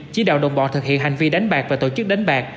chỉ đạo đồng bọn thực hiện hành vi đánh bạc và tổ chức đánh bạc